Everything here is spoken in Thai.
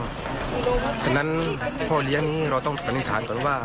เพราะฉะนั้นพ่อเลี้ยงนี้เราต้องสันนิษฐานก่อนว่า